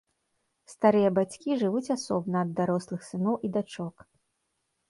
Старыя бацькі жывуць асобна ад дарослых сыноў і дачок.